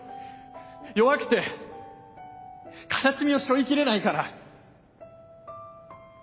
弱くて悲しみを背負い切れないから。